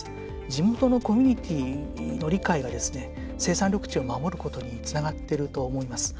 地元のコミュニティーの理解が生産緑地を守ることにつながっていると思います。